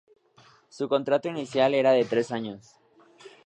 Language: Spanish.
Su contrato inicial era de tres años.